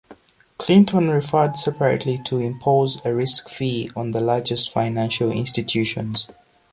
Clinton referred separately to Impose a risk fee on the largest financial institutions.